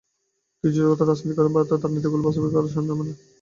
কিন্তু জোটগত রাজনীতির কারণে ভারতে তাঁর নীতিগুলো বাস্তবায়ন করা সহজ হবে না।